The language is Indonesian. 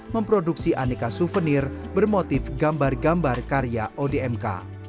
memproduksi aneka souvenir bermotif gambar gambar karya odmk